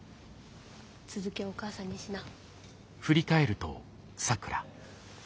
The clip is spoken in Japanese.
続きはお母さんにしな。